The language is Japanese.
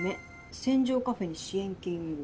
船上カフェに支援金を！」。